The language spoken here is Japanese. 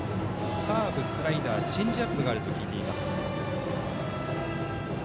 カーブ、スライダーチェンジアップがあると聞いています。